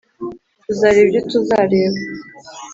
tuzareba ibyo tuzareba.